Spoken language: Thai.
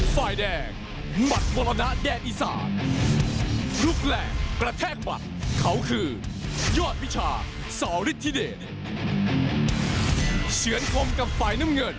ไฟล์แดงมัดมรณะแดดอีสาน